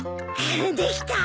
できた！